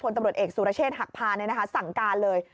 ตำรวจเอกสุรเชษฐหักพาสั่งการเลย